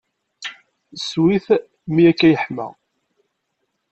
Ssew-it mi akk-a yeḥma.